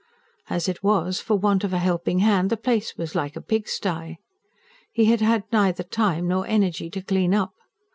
As it was, for want of a helping hand the place was like a pigsty. He had had neither time nor energy to clean up.